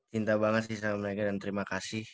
cinta banget sih sama mereka dan terima kasih